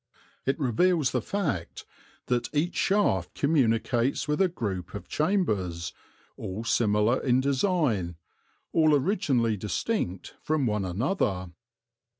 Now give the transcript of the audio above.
It reveals the fact that each shaft communicates with a group of chambers, all similar in design, all originally distinct from one another.